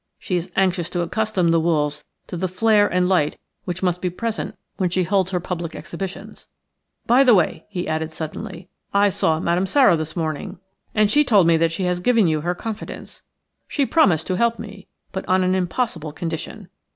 She is anxious to accustom the wolves to the flare and light which must be present when she holds her public exhibitions. By the way," he added, suddenly, "I saw Madame Sara this morning, and she told me that she has given you her confidence. She promised to help me, but on an impossible condition.